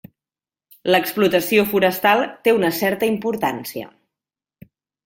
L'explotació forestal té una certa importància.